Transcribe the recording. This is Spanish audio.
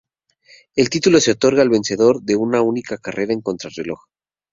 El título se otorga al vencedor de una única carrera en contrarreloj.